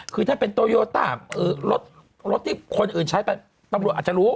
คือถ้าเป็นโตโยต้ารถที่คนอื่นใช้ไปตำรวจอาจจะรู้